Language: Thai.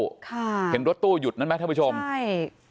ค่ะเห็นรถตู้หยุดนั้นไหมท่านผู้ชมใช่